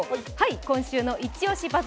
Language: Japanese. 今週の「イチオシバズ！」